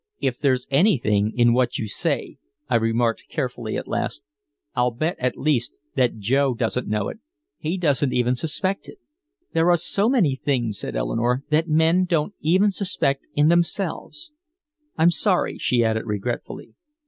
"If there's anything in what you say," I remarked carefully at last, "I'll bet at least that Joe doesn't know it. He doesn't even suspect it." "There are so many things," said Eleanore, "that men don't even suspect in themselves. I'm sorry," she added regretfully.